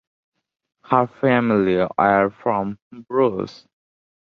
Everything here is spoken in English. Her family were from Beauce.